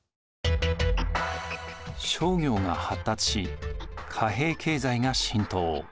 商業が発達し貨幣経済が浸透。